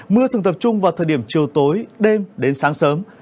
mưa thường tập trung vào thời điểm chiều tối đêm đến sáng sớm